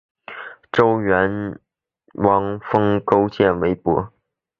周元王封勾践为伯。